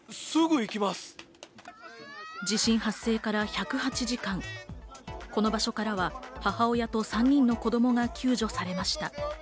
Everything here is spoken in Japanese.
地震発生から１０８時間、この場所からは母親と３人の子供が救助されました。